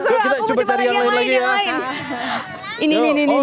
aku mau coba lagi yang lain lain ya